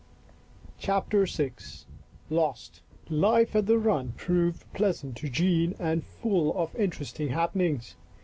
CHAPTER VI "lost!" Life at the run proved pleasant to Jean and full of Interesting happenings.